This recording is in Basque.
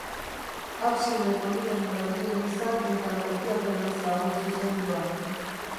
Abside poligonala du elizak eta ekialderantz dago zuzendua.